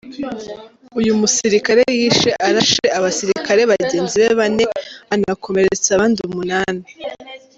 Uyu musirikare yishe arashe abasirikare bagenzi be bane anakomeretsa abandi umunani.